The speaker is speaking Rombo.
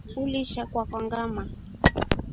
Ulisha kwakwa ngamaa.